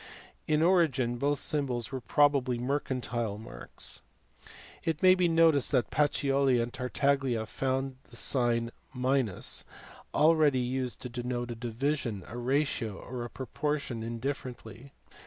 In. origin both symbols were probably mercantile marks (see p. 211). It may be noticed that Pacioli and Tartaglia found the sign already used to denote a division, a ratio, or a proportion indifferently (see p.